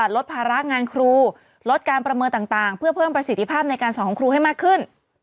ลดภาระงานครูลดการประเมินต่างเพื่อเพิ่มประสิทธิภาพในการสอนของครูให้มากขึ้น